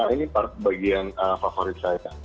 ini bagian favorit saya